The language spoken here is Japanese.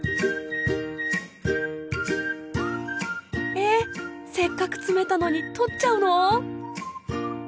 えっせっかく詰めたのに取っちゃうの？